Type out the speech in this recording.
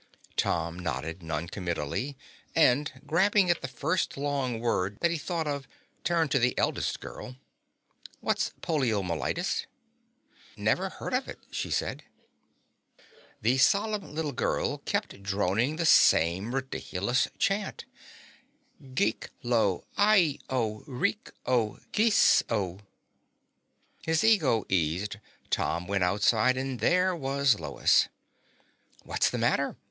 Tom nodded noncommittally and, grabbing at the first long word that he thought of, turned to the eldest girl. "What's poliomyelitis?" "Never heard of it," she said. The solemn little girl kept droning the same ridiculous chant: "Gik lo, I o, Rik o, Gis so." His ego eased, Tom went outside and there was Lois. "What's the matter?"